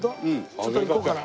ちょっといこうかな。